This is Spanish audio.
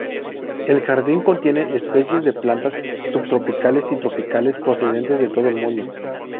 El jardín contiene especies de plantas subtropicales y tropicales procedentes de todo el mundo.